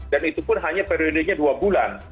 dan itu pun hanya periodenya dua bulan